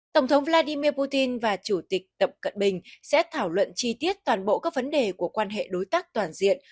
tổng thống vladimir putin và chủ tịch tập cận bình sẽ thảo luận chi tiết toàn bộ các vấn đề của quan hệ đối tác toàn diện